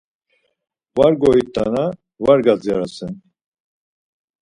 Var goiktana var gadzirasen.